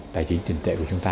tài chính tiền tệ của chúng ta